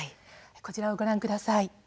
こちらをご覧ください。